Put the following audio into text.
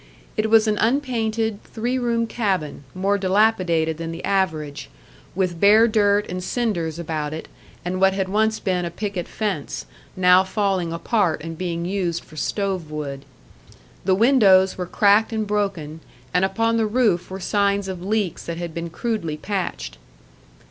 It was an unpainted, three room cabin, more dilapidated than the average, with bare dirt and cinders about it, and what had once been a picket fence, now falling apart and being used for stove wood. The windows were cracked and broken, and upon the roof were signs of leaks that had been crudely patched.